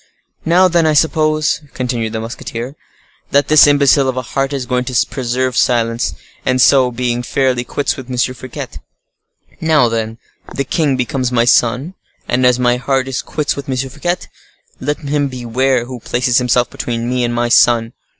"Now, then, I hope," continued the musketeer, "that this imbecile of a heart is going to preserve silence, and so be fairly quits with M. Fouquet. Now, then, the king becomes my sun, and as my heart is quits with M. Fouquet, let him beware who places himself between me and my sun!